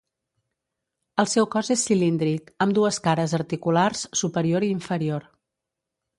El seu cos és cilíndric, amb dues cares articulars, superior i inferior.